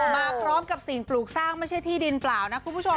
มาพร้อมกับสิ่งปลูกสร้างไม่ใช่ที่ดินเปล่านะคุณผู้ชม